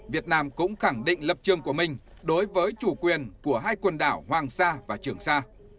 việt nam cũng khẳng định lập trường của mình đối với chủ quyền của hai quần đảo hoàng sa và trường sa